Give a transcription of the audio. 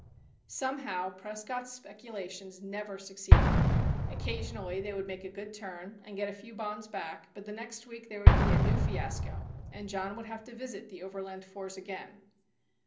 Somehow, Prescott's speculations never succeeded. Occasionally they would make a good turn and get a few bonds back, but the next week there would be a new fiasco, and John would have to visit the Overland 4s again.